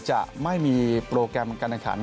จะไม่มีโปรแกรมการแข่งขัน